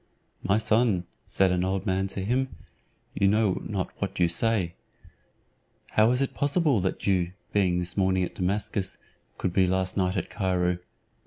"My son," said an old man to him, "you know not what you say. How is it possible that you, being this morning at Damascus, could be last night at Cairo?"